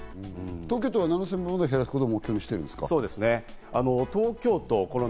東京都は７０００羽まで減らすことを目標にしているんですね。